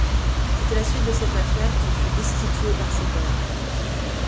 C'est à la suite de cette affaire qu'il fut destitué par ses pairs.